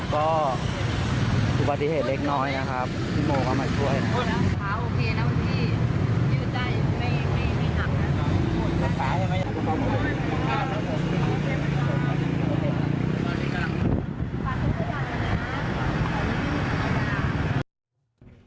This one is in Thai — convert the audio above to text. ก็อุบัติเหตุเล็กน้อยนะครับที่โมเข้ามาช่วยนะครับ